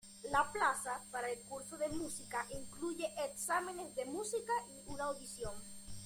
La plaza para el curso de música incluye exámenes de música y una audición.